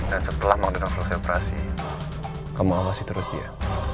dan setelah mengundang selesai operasi kamu awasi terus dia